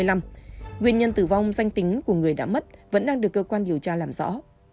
nguyên nhân tử vong danh tính của người đã mất vẫn đang được cơ quan điều tra làm rõ